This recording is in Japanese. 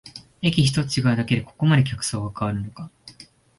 駅ひとつ違うだけでここまで客層が変わるのか